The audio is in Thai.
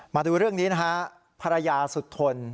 มาดูเรื่องนี้นะฮะภรรยาสุดทน